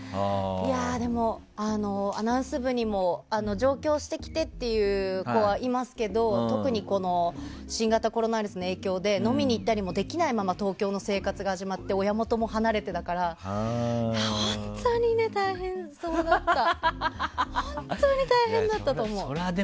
でもアナウンス部にも上京してきてっていう子はいますけど特に新型コロナウイルスの影響で飲みに行ったりもできないまま東京の生活が始まって親元も離れてだから本当に大変だったと思う。